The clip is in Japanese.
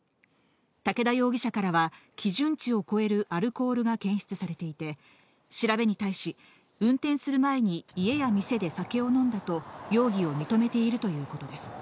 竹田容疑者からは基準値を超えるアルコールが検出されていて、調べに対し、運転する前に、家や店で酒を飲んだと容疑を認めているということです。